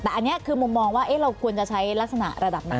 แต่อันนี้คือมุมมองว่าเราควรจะใช้ลักษณะระดับไหน